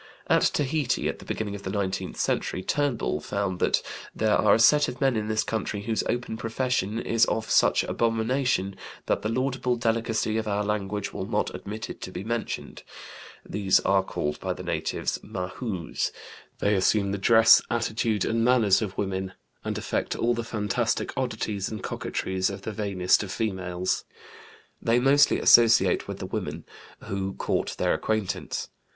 At Tahiti at the beginning of the nineteenth century, Turnbull found that "there are a set of men in this country whose open profession is of such abomination that the laudable delicacy of our language will not admit it to be mentioned. These are called by the natives Mahoos; they assume the dress, attitude, and manners of women, and affect all the fantastic oddities and coquetries of the vainest of females. They mostly associate with the women, who court their acquaintance.